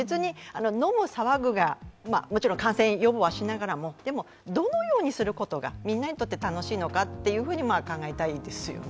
飲む、騒ぐは感染予防はしながらもどのようにするのがみんなにとって楽しいのかと考えたいですよね。